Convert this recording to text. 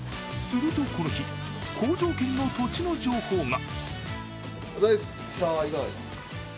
するとこの日、好条件の土地の情報が。